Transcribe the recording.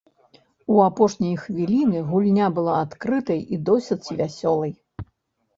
У апошнія хвіліны гульня была адкрытай і досыць вясёлай.